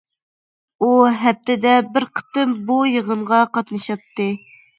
ئۇ ھەپتىدە بىر قېتىم بۇ يىغىنغا قاتنىشاتتى.